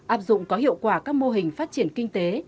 áp dụng có hiệu quả các mô hình phát triển kinh tế